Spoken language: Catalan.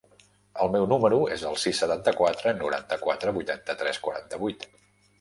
El meu número es el sis, setanta-quatre, noranta-quatre, vuitanta-tres, quaranta-vuit.